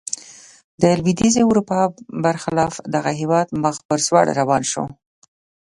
د لوېدیځې اروپا برخلاف دغه هېواد مخ پر ځوړ روان شو.